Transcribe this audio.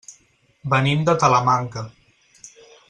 Venim de Talamanca.